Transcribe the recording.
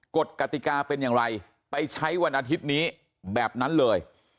กฎกติกาเป็นอย่างไรไปใช้วันอาทิตย์นี้แบบนั้นเลย